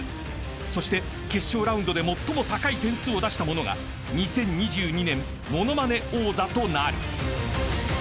［そして決勝ラウンドで最も高い点数を出した者が２０２２年ものまね王座となる］